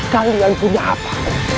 kalian punya apa